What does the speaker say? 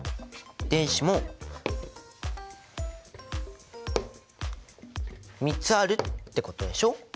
電子も３つあるってことでしょ？